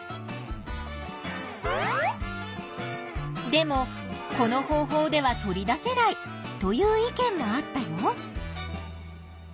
でもこの方法では取り出せないという意見もあったよ。